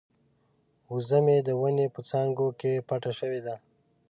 وزه مې د ونې په څانګو کې پټه شوې ده.